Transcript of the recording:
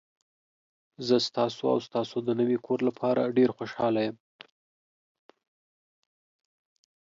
زه ستاسو او ستاسو د نوي کور لپاره ډیر خوشحاله یم.